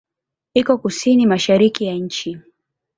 Iko kusini-mashariki ya nchi.